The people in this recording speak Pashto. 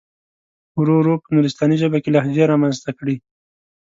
ورو ورو په نورستاني ژبه کې لهجې را منځته کړي.